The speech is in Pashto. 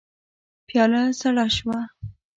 پياله سړه شوه.